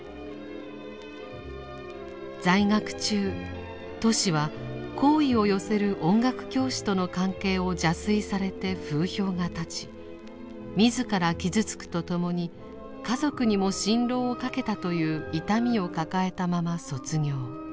在学中トシは好意を寄せる音楽教師との関係を邪推されて風評が立ち自ら傷つくとともに家族にも心労をかけたという痛みを抱えたまま卒業。